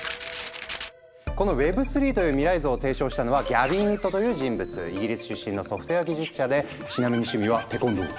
このＷｅｂ３という未来像を提唱したのはイギリス出身のソフトウエア技術者でちなみに趣味はテコンドー。